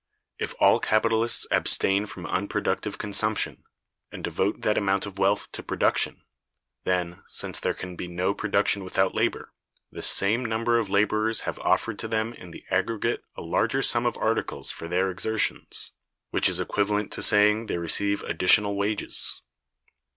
If all capitalists abstain from unproductive consumption, and devote that amount of wealth to production, then, since there can be no production without labor, the same number of laborers have offered to them in the aggregate a larger sum of articles for their exertions, which is equivalent to saying they receive additional wages.